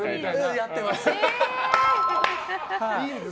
やってます。